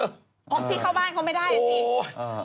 อ๋อพี่เข้าบ้านเขาไม่ได้เหรอสิ